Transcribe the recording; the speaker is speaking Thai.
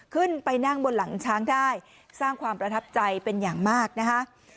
ขึ้นไปนั่งบนหลังช้างได้สร้างความประทับใจเป็นอย่างมากนะคะ